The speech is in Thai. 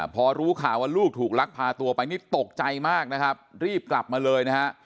พอรู้ข่าวว่าลูกถูกลักพาตัวไปนี่ตกใจมากนะครับรีบกลับมาเลยนะฮะ